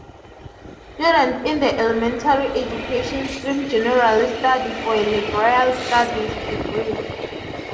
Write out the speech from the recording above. Students in the elementary education stream generally study for a Liberal Studies degree.